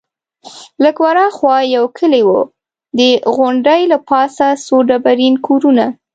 لږ ورهاخوا یو کلی وو، د غونډۍ له پاسه څو ډبرین کورونه.